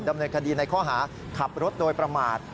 ดำเนินคดีในข้อหาขับรถโดยประมาท